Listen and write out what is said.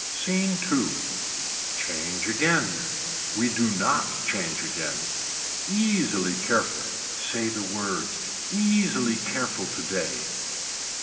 SCENE II. Change again. We do not change again. Easily careful. Say the words. Easily careful today.